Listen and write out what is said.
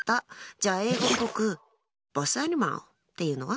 じゃあ、英語っぽく「ボサニマル」っていうのは？